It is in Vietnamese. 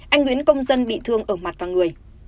anh nguyễn công dân bị thương ở mặt và người